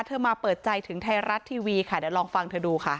มาเปิดใจถึงไทยรัฐทีวีค่ะเดี๋ยวลองฟังเธอดูค่ะ